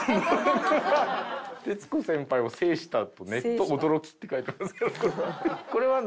「“徹子先輩を制した”とネット驚き」って書いてあるんですけど。